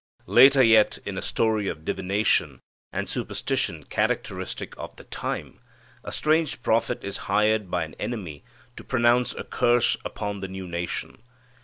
Later yet, in a story of divination and superstition characteristic of the time, a strange prophet is hired by an enemy to pronounce a curse upon the new nation.